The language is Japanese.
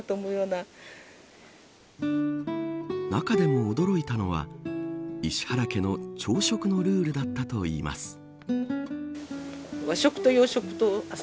中でも驚いたのは石原家の朝食のルールだったといいます。